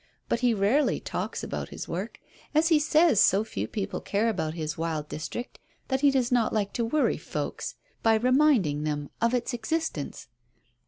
But he rarely talks about his work. As he says, so few people care about this wild district that he does not like to worry folks by reminding them of its existence."